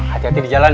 hati hati di jalan ya